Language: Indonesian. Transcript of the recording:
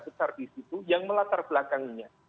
besar di situ yang melatar belakangnya